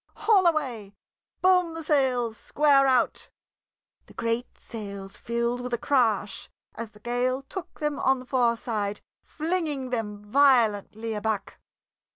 "Haul away! Boom the sails square out!" The great sails filled with a crash as the gale took them on the fore side, flinging them violently aback.